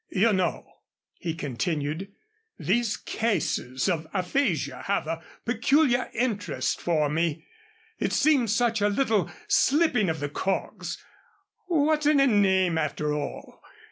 "You know," he continued, "these cases of aphasia have a peculiar interest for me. It seems such a little slipping of the cogs. What's in a name, after all?